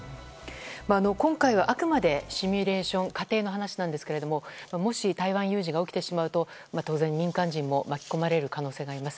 今回はあくまでシミュレーション仮定の話なんですがもし台湾有事が起きてしまうと当然、民間人も巻き込まれる可能性があります。